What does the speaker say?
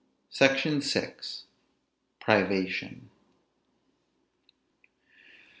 SECTION VI. PRIVATION.